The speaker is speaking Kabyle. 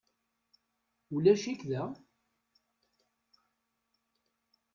Ulac-ik da?